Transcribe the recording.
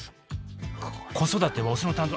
子育てはオスの担当。